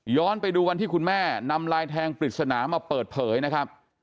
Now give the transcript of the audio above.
ไปดูวันที่คุณแม่นำลายแทงปริศนามาเปิดเผยนะครับ